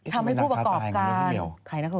ทำให้ผู้ประกอบการใครน่ะครับ